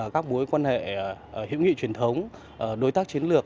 các mối quan hệ hữu nghị truyền thống đối tác chiến lược